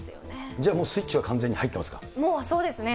じゃあもうスイッチは完全にもうそうですね。